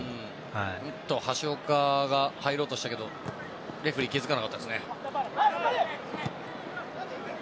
おっと、橋岡が入ろうとしたけどレフェリーが気付かなかったですね。